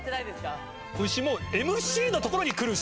虫もＭＣのところに来るし。